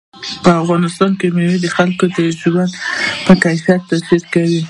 په افغانستان کې مېوې د خلکو د ژوند په کیفیت تاثیر کوي.